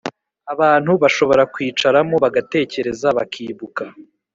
abantu bashobora kwicaramo bagatekereza, bakibuka